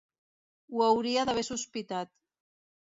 Ho hauria d'haver sospitat.